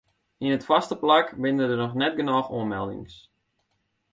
Yn it foarste plak binne der net genôch oanmeldings.